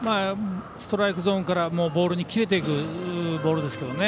ストライクゾーンからボールに切れていくボールです。